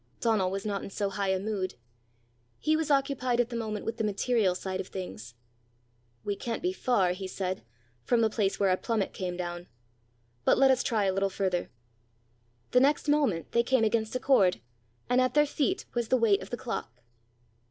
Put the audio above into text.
Donal was not in so high a mood. He was occupied at the moment with the material side of things. "We can't be far," he said, "from the place where our plummet came down! But let us try a little further." The next moment they came against a cord, and at their feet was the weight of the clock.